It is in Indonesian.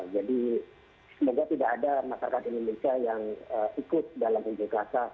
jadi semoga tidak ada masyarakat indonesia yang ikut dalam ujung kerasa